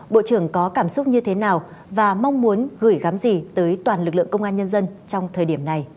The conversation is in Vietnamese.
bộ trưởng có cảm xúc như thế nào và mong muốn gửi gắm gì tới toàn lực lượng công an nhân dân trong thời điểm này